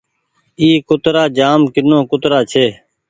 اي ڪترآ جآم ڪينو ڪترآ ڇي۔